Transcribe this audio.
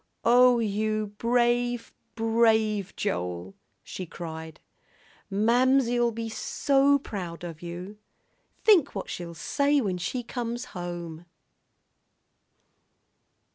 "Oh, you brave, brave Joel," she cried. "Mamsie'll be so proud of you! Think what she'll say when she comes home!"